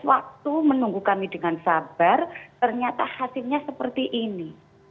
waktu menunggu kami dengan sabar ternyata hasilnya seperti ini